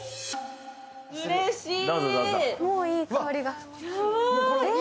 うれしい。